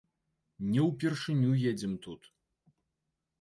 Не ўпершыню едзем тут.